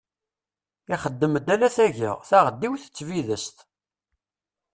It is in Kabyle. Ixeddem-d ala taga, taɣeddiwt d tbidest.